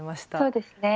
そうですね。